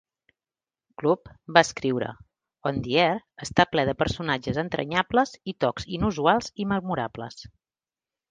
Club va escriure: "On the Air" està ple de personatges entranyables i tocs inusuals i memorables.